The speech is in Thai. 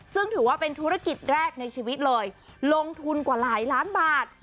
ซึ่งถือว่าเป็นธุรกิจแรกในชีวิตเลยลงทุนกว่าหลายล้านบาท